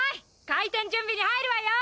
開店準備に入るわよ！